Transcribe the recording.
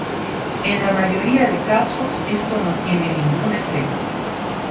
En la mayoría de casos, esto no tiene ningún efecto.